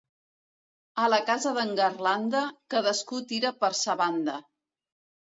A la casa d'en Garlanda, cadascú tira per sa banda.